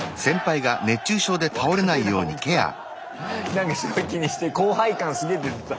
なんかすごい気にして後輩感すげえ出てた。